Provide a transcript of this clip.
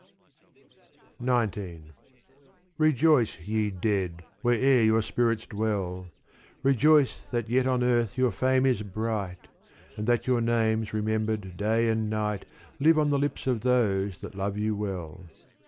XIX Rejoice ye dead, where'er your spirits dwell, Rejoice that yet on earth your fame is bright And that your names remembered day and night Live on the lips of those that love you well.